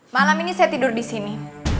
malam ini saya tidur disini